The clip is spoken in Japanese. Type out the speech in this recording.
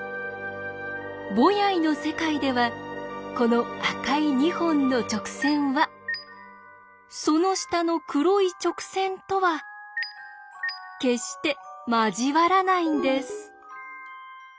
ボヤイの世界ではこの赤い２本の直線はその下の黒い直線とは決して交わらないんです。